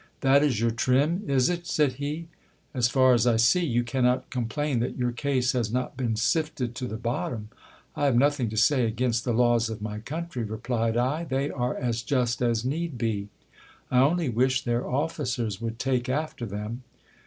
That is your trim, is it ? said he. As far as I see, you cannot complain that your case has not been sifted to the bottom. I have nothing to say against the laws of my country, replied I ; they are as just as need be. I only wish their officers would take after them